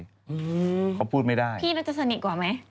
อืมพี่น่าจะสนิกกว่าไหมเขาพูดไม่ได้พี่น่าจะสนิกกว่าไหม